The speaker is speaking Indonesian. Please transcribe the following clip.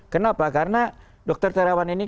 kenapa karena dokter terawan ini